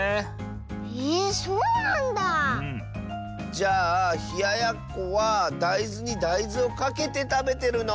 じゃあひややっこはだいずにだいずをかけてたべてるの？